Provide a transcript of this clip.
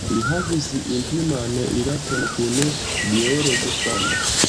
Li havis intiman rilaton kun George Sand.